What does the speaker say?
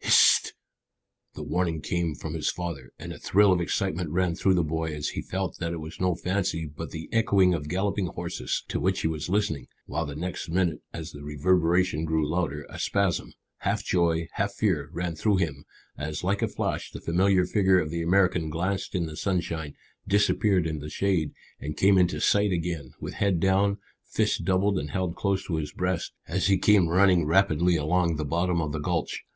"Hist!" The warning word came from his father, and a thrill of excitement ran through the boy as he felt that it was no fancy but the echoing of galloping horses to which he was listening, while the next minute as the reverberation grew louder, a spasm, half joy, half fear, ran through him as, like a flash, the familiar figure of the American glanced in the sunshine, disappeared in the shade, and came into sight again, with head down, fists doubled and held close to his breast, as he came running rapidly along the bottom of the gulch.